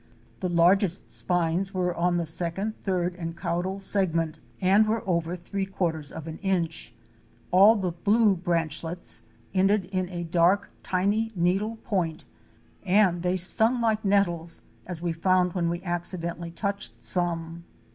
The longest spines were on the second, third and caudal segment and were 292 OUR SEARCH FOR A WILDERNESS over three quarters of an inch. All the blue branchlets ended in a dark, tiny needle point, and they stung like nettles as we found when we accidentally touched some.